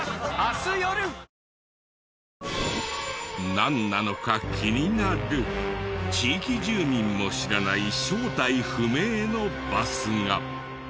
なんなのか気になる地域住民も知らない正体不明のバスが。